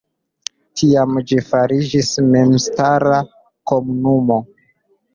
Tiam ĝi fariĝis memstara komunumo.